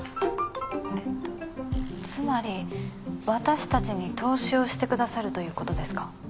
えっとつまり私たちに投資をしてくださるという事ですか？